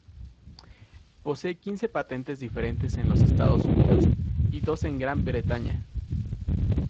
Posee quince patentes diferentes en los Estados Unidos y dos en Gran Bretaña.